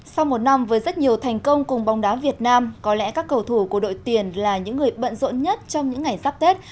sau một năm với rất nhiều thành công cùng bóng đá việt nam có lẽ các cầu thủ của đội tiền là những người bận rộn nhất trong những ngày sắp tết